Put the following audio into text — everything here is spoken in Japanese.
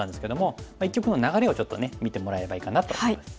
一局の流れをちょっとね見てもらえればいいかなと思います。